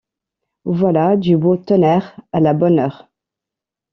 Voilà du beau tonnerre, à la bonne heure!